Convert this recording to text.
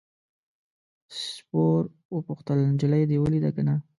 سپور وپوښتل نجلۍ دې ولیده که نه.